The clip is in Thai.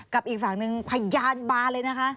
อีกฝั่งหนึ่งพยานบาเลยนะคะ